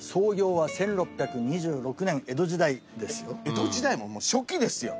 江戸時代ももう初期ですよ。